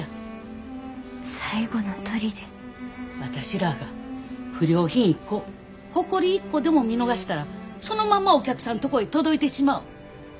私らが不良品一個ほこり一個でも見逃したらそのままお客さんとこへ届いてしまう。